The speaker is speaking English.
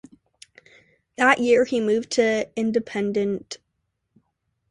That year he moved to Independiente.